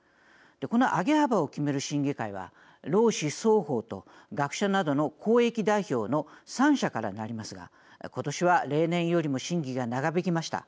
この上げ幅を決める審議会は労使双方と学者などの公益代表の３者からなりますが今年は例年よりも審議が長引きました。